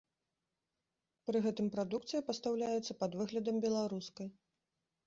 Пры гэтым прадукцыя пастаўляецца пад выглядам беларускай.